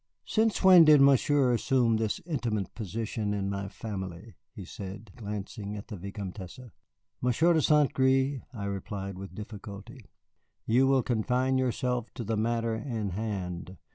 "Since when did Monsieur assume this intimate position in my family?" he said, glancing at the Vicomtesse. "Monsieur de St. Gré," I replied with difficulty, "you will confine yourself to the matter in hand.